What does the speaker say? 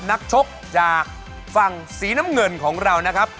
นักชกจากฝั่งสีน้ำเงินของเรานะครับ